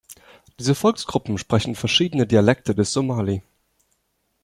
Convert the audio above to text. Diese Volksgruppen sprechen verschiedene Dialekte des Somali.